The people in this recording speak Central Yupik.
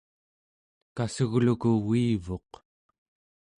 kassugluku uivuq